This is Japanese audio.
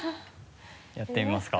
やってみますか？